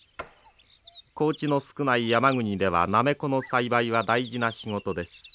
高地の少ない山国ではなめこの栽培は大事な仕事です。